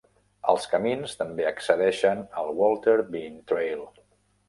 Els camins també accedeixen al Walter Bean Trail.